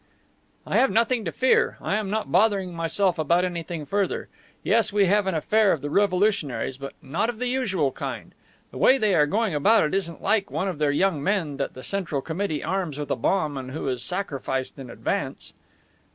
"I have nothing to fear; I'm not bothering myself about anything further. Yes, we have an affair of the revolutionaries, but not of the usual kind. The way they are going about it isn't like one of their young men that the Central Committee arms with a bomb and who is sacrificed in advance."